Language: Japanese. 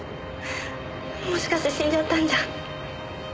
もしかして死んじゃったんじゃ。